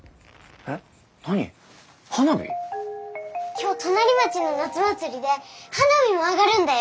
今日隣町の夏祭りで花火も上がるんだよ。